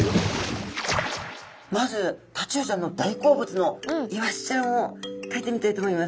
まずタチウオちゃんの大好物のイワシちゃんをかいてみたいと思います。